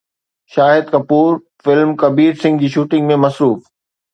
شاهد Kapoor film ”Kabir Singh“ جي shooting ۾ مصروف